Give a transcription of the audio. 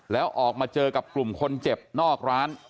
แล้วออกมาเจอกับกลุ่มคนเจ็บนอกร้าน